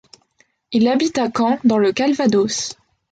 Il habite à Caen dans le Calvados.